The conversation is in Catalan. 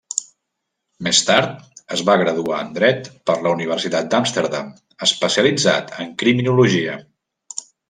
Més tard, es va graduar en Dret per la Universitat d'Amsterdam, especialitzat en criminologia.